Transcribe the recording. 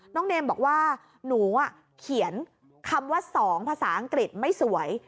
เนมบอกว่าหนูเขียนคำว่า๒ภาษาอังกฤษไม่สวย